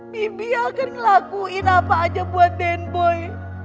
bibi akan ngelakuin apa aja buat den boy